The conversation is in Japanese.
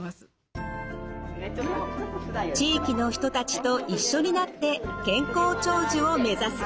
地域の人たちと一緒になって「健康長寿」を目指す。